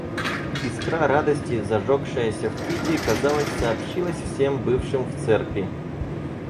Искра радости, зажегшаяся в Кити, казалось, сообщилась всем бывшим в церкви.